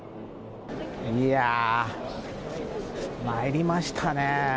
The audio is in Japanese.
いやー、参りましたね。